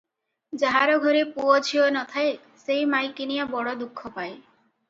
ଯାହାର ଘରେ ପୁଅ ଝିଅ ନ ଥାଏ, ସେଇ ମାଇକିନିଆ ବଡ଼ ଦୁଃଖ ପାଏ ।"